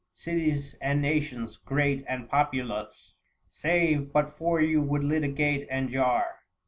Cities and nations, great and populous, 705 Save but for you would litigate and jar.